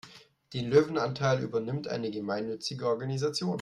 Den Löwenanteil übernimmt eine gemeinnützige Organisation.